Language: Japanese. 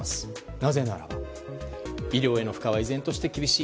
なぜならば医療への負荷は依然として厳しい。